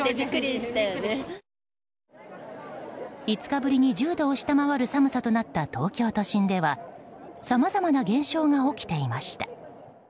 ５日ぶりに１０度を下回る寒さとなった東京都心ではさまざまな現象が起きていました。